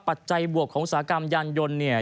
ปัจจบวกของอุตสาหกรรมยานยนต์เนี่ย